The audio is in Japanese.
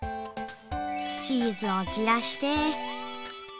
チーズを散らして。